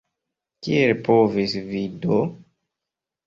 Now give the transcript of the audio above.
Kiel povis vi do?